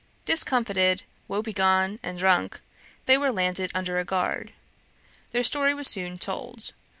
Discomfited, woebegone, and drunk, they were landed under a guard. Their story was soon told.